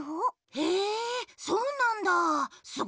へえそうなんだあ。